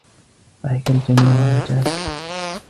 ضحك الجميع على جاك.